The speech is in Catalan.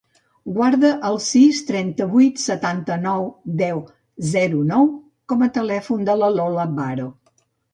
Guarda el sis, trenta-vuit, setanta-nou, deu, zero, nou com a telèfon de la Lola Baro.